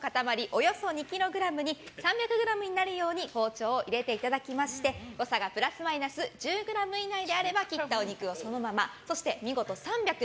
およそ２ｋｇに３００ｇになるように包丁を入れていただきまして誤差がプラスマイナス１０ｇ以内であれば切ったお肉をそのままそして見事３００